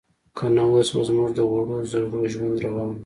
که نه اوس به زموږ د وړو زړو ژوند روان و.